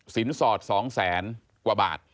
สินสอด๒๐๐๐๐๐กว่าบาท